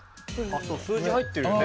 あそう数字入ってるよね。